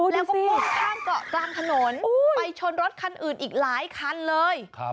แล้วก็พุ่งข้ามเกาะกลางถนนไปชนรถคันอื่นอีกหลายคันเลย